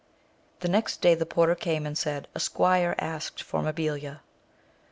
The next day the porter came and said, a squire asked for Mabilia.